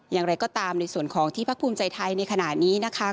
อย่างไรก็ตามในส่วนของที่พักภูมิใจไทยในขณะนี้นะคะ